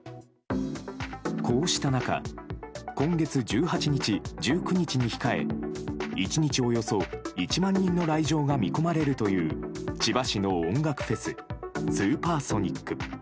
こうした中今月１８日、１９日に控え１日およそ１万人の来場が見込まれるという千葉市の音楽フェススーパーソニック。